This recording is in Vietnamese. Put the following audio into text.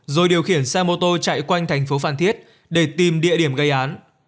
một mươi tám nghìn tám trăm chín mươi một rồi điều khiển xe mô tô chạy quanh thành phố phản thiết để tìm địa điểm gây án